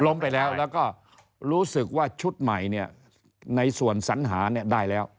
ไปแล้วแล้วก็รู้สึกว่าชุดใหม่เนี่ยในส่วนสัญหาเนี่ยได้แล้ว